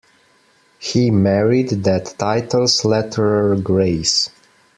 He married that title's letterer, Grace.